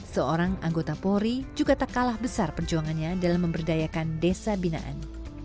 seorang anggota polri juga tak kalah besar perjuangannya dalam memberdayakan desa binaan